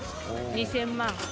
２０００万。